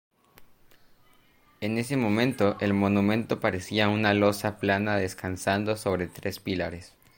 En ese momento, el monumento parecía una losa plana descansando sobre tres pilares.